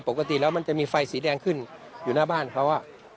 ปกติแล้วมันจะมีไฟสีแดงขึ้นอยู่หน้าบ้านเขา